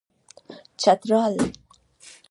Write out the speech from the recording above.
چترال